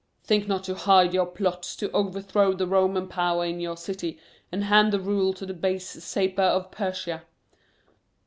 "Think not to hide your plots to overthrow the Roman power in your city and hand the rule to the base Sapor of Persia.